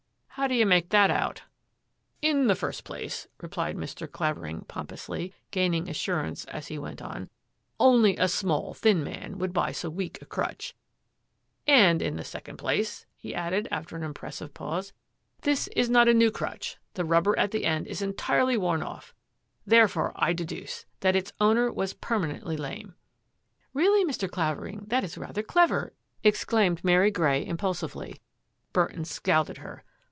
" How do you make that out? "" In the first place," replied Mr. Clavering pom pously, gaining assurance as he went on, " only a small, thin man would buy so weak a crutch, and, in the second place," he added, after an im pressive pause, " this is riot a new crutch, the rub CLUE OP THE BROKEN CHUTCH 99 ber at the end Is entirely worn off! Therefore I deduce that its owner was permanently lame." " Really, Mr. Clavering, that is rather clever !" exclaimed Mary Grey impulsively. Burton scowled at her.